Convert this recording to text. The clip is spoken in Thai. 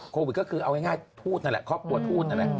โควิดก็คือเอาง่ายพูดนั่นแหละ